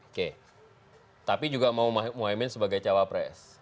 oke tapi juga mau muhaymin sebagai cawapres